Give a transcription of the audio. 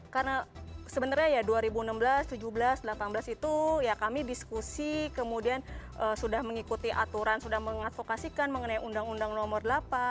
karena sebenarnya ya dua ribu enam belas dua ribu tujuh belas dua ribu delapan belas itu kami diskusi kemudian sudah mengikuti aturan sudah mengadvokasikan mengenai undang undang nomor delapan